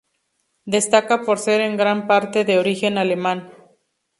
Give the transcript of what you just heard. Destaca por ser en gran parte de origen alemán.